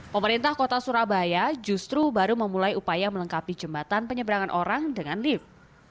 pemerintah kota surabaya justru baru memulai upaya melengkapi jembatan penyeberangan orang dengan lift